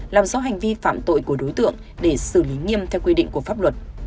làm rõ hành vi phạm tội của đối tượng để xử lý nghiêm theo quy định của pháp luật